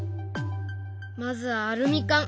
まずはアルミ缶。